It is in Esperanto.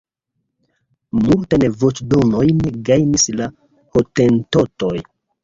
Multajn voĉdonojn gajnis la hotentotoj.